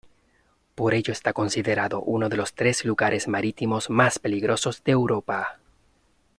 Por ello está considerado uno de los tres lugares marítimos más peligrosos de Europa.